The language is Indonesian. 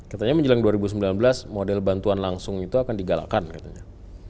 katanya menjelang dua ribu sembilan belas model bantuan langsung itu akan digalakkan katanya